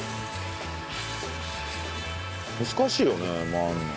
難しいよね回るの。